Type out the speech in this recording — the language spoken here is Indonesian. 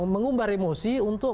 mengumbar emosi untuk